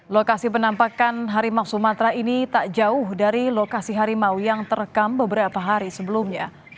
lokasi penampakan harimau sumatera ini tak jauh dari lokasi harimau yang terekam beberapa hari sebelumnya